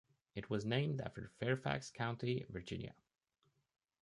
It was named after Fairfax County, Virginia.